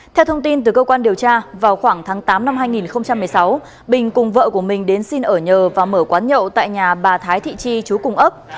theo thông tin từ cơ quan điều tra vào khoảng tháng tám năm hai nghìn một mươi sáu bình cùng vợ của mình đến xin ở nhờ và mở quán nhậu tại nhà bà thái thị chi chú cùng ấp